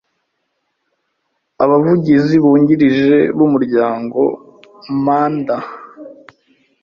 abavugizi bungirije b umuryango Manda